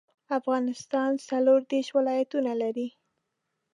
افغانستان څلوردیرش ولايتونه لري.